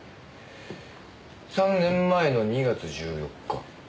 ３年前の２月１４日ですよね？